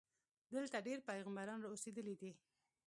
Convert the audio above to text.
دلته ډېر پیغمبران اوسېدلي دي.